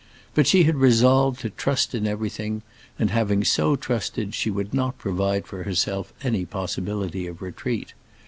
But she had resolved to trust in everything, and, having so trusted, she would not provide for herself any possibility of retreat.